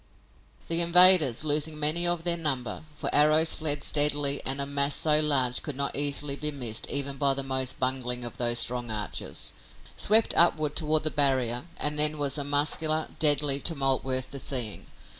The invaders, losing many of their number, for arrows flew steadily and a mass so large could not easily be missed even by the most bungling of those strong archers, swept upward to the barrier and then was a muscular, deadly tumult worth the seeing.